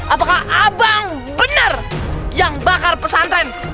apakah abang benar yang bakar pesantren